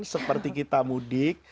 seperti kita mudik